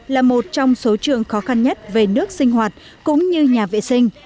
là một trong số trường khó khăn nhất về nước sinh hoạt cũng như nhà vệ sinh